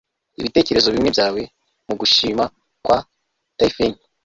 Ibitekerezo bimwe byawe mugushima kwa Tyrfing